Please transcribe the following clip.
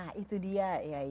nah itu dia